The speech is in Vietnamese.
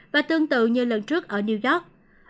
và tương tự như lần trước ở new york